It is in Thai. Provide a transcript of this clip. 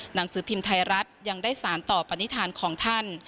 หนังสือพิมพ์ไทยรัฐยังได้สารต่อปณิธานของท่าน